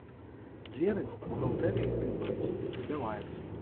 Дзверы бухгалтэрыі рыпаюць, спяваюць.